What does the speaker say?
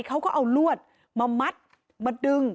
เขาก็เอาลวดมามัดมาดึง